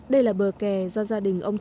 đây là bờ kè do gia đình ông trần